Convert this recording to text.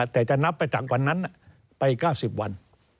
แต่จะนับไปต่างวันนั้นไป๙๐วัน